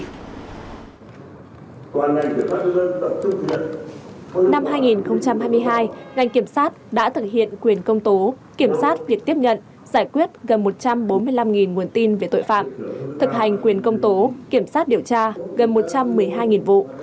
năm hai nghìn hai mươi hai ngành kiểm sát đã thực hiện quyền công tố kiểm soát việc tiếp nhận giải quyết gần một trăm bốn mươi năm nguồn tin về tội phạm thực hành quyền công tố kiểm soát điều tra gần một trăm một mươi hai vụ